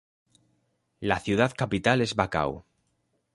La ciudad capital es Bacău.